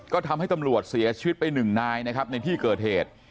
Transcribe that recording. ก็ทำให้ตำรวจเสียชีวิตไปหนึ่งนายนะครับในที่เกิดเหตุ